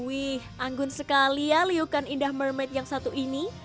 wih anggun sekali ya liukan indah mermaid yang satu ini